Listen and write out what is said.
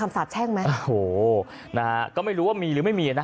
สาบแช่งไหมโอ้โหนะฮะก็ไม่รู้ว่ามีหรือไม่มีนะ